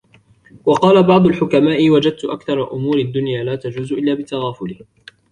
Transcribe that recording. وَقَالَ بَعْضُ الْحُكَمَاءِ وَجَدْت أَكْثَرَ أُمُورِ الدُّنْيَا لَا تَجُوزُ إلَّا بِالتَّغَافُلِ